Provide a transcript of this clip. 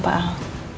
iya pak al